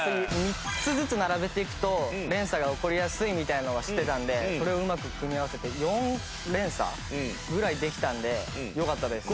３つずつ並べていくと連鎖が起こりやすいみたいなのは知ってたんでそれをうまく組み合わせて４連鎖ぐらいできたのでよかったです。